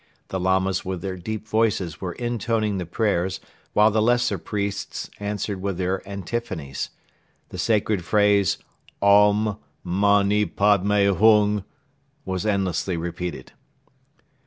The Lamas with their deep voices were intoning the prayers while the lesser priests answered with their antiphonies. The sacred phrase: "Om! Mani padme Hung!" was endlessly repeated.